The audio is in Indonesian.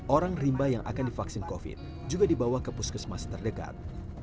orang rimba yang akan divaksin covid juga dibawa ke puskesmas terdekat